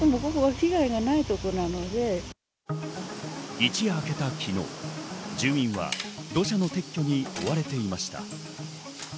一夜明けた昨日、住民は土砂の撤去に追われていました。